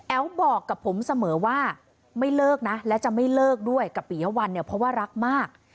บอกกับผมเสมอว่าไม่เลิกนะและจะไม่เลิกด้วยกับปียวัลเนี่ยเพราะว่ารักมาก